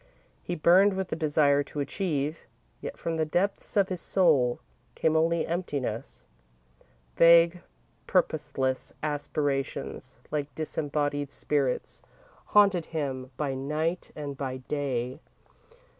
He burned with the desire to achieve, yet from the depths of his soul came only emptiness. Vague, purposeless aspirations, like disembodied spirits, haunted him by night and by day.